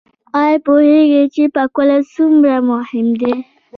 ایا پوهیږئ چې پاکوالی څومره مهم دی؟